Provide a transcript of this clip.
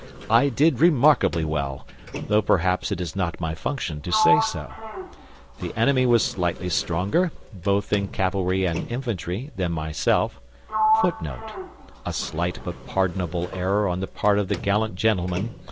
I did remarkably well, though perhaps it is not my function to say so. The enemy was slightly stronger, both in cavalry and infantry, than myself [Footnote: A slight but pardonable error on the part of the gallant gentleman.